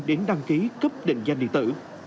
đến đăng ký cấp định danh điện tử